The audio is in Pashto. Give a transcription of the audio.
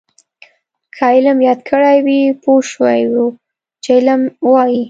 که علم یاد کړی وی پوه شوي وو چې علم وايي.